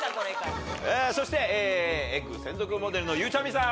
そして『ｅｇｇ』専属モデルのゆうちゃみさん！